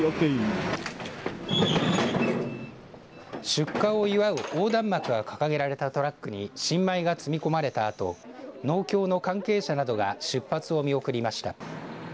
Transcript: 出荷を祝う横断幕が掲げられたトラックに新米が詰め込まれたあと農協の関係者などが出発を見送りました。